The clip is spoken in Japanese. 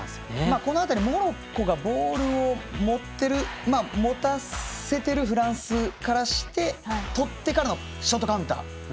この辺りモロッコにボール持たせているフランスからしてとってからのショートカウンター